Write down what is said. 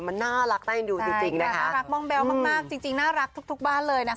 มันน่ารักได้ดูจริงแม่งก็รักมองแบ๊วมากจริงน่ารักทุกบ้านเลยนะคะ